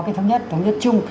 cái thống nhất thống nhất chung